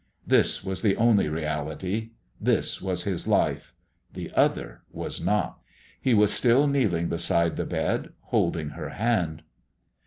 This was the only reality, this was his life the other was not. He was still kneeling beside the bed holding her hand.